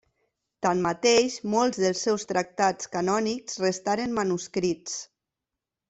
Tanmateix molts dels seus tractats canònics restaren manuscrits.